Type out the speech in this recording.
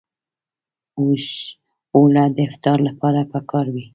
اوړه د افطار لپاره پکار وي